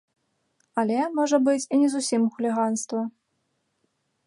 Але, можа быць, і не зусім хуліганства.